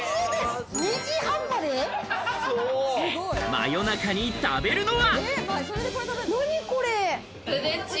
真夜中に食べるのは？